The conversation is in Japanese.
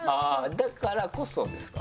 だからこそですか？